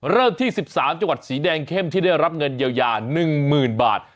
เริ่มที่๑๓จังหวัดสีแดงเข้มที่ได้รับเงินเยียวยา๑๐๐๐บาท